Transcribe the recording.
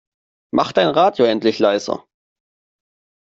Mach dein Radio endlich leiser!